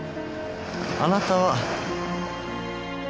あなたは。